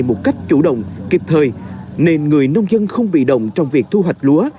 một cách chủ động kịp thời nên người nông dân không bị động trong việc thu hoạch lúa